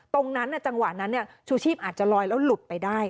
จังหวะนั้นชูชีพอาจจะลอยแล้วหลุดไปได้